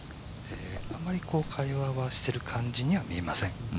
あまり会話をしている感じには見られません。